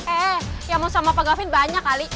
eh yang mau sama pak gafin banyak kali